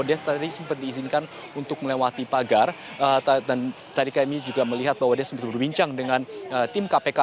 dan tadi kami juga melihat bahwa dia sebetulnya bincang dengan tim kpk